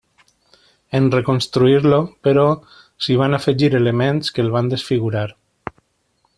En reconstruir-lo, però, s'hi van afegir elements que el van desfigurar.